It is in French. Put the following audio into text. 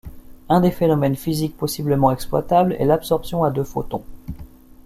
Un des phénomènes physiques possiblement exploitables est l'absorption à deux photons.